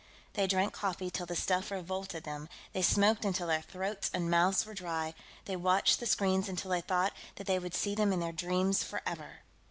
They drank coffee till the stuff revolted them; they smoked until their throats and mouths were dry, they watched the screens until they thought that they would see them in their dreams forever.